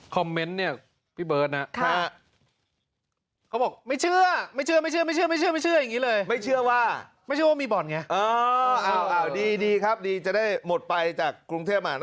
เมนต์เนี่ยพี่เบิร์ตนะ